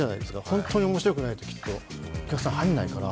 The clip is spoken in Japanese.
本当に面白くないときっとお客さん入んないから。